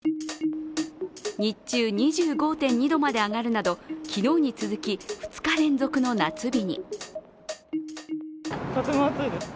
日中、２５．２度まで上がるなど昨日に続き２日連続の夏日に。